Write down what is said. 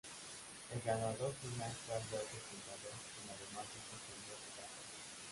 El ganador final fue Alberto Contador quien además se hizo con dos etapas.